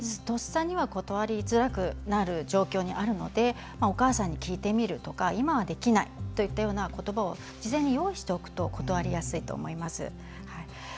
とっさには断りづらくなる状況になるのでお母さんに聞いてみるとか今はできないといった言葉を事前に用意しておくと断りやすいと思います。